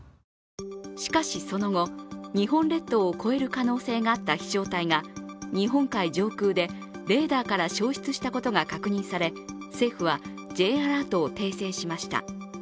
しかしその後、日本列島を越える可能性があった飛翔体が日本海上空でレーダーから消失したことが確認され政府はＪアラートを訂正しました。